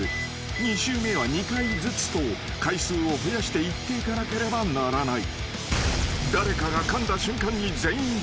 ［２周目は２回ずつと回数を増やして言っていかなければならない］